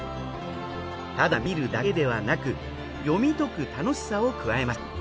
ただ見るだけではなく読み解く楽しさを加えました。